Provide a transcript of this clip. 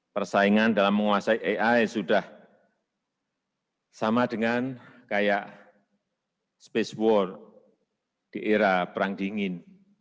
persaingan dalam menguasai ai sudah sama dengan kayak space war di era perang dingin